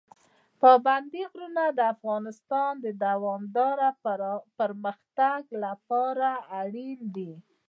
پابندي غرونه د افغانستان د دوامداره پرمختګ لپاره اړین دي.